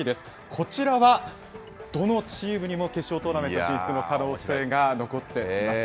こちらはどのチームにも決勝トーナメント進出の可能性が残っています。